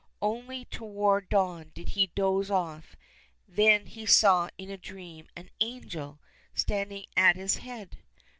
Only toward dawn did he doze off, then he saw in a dream an angel standing at his head.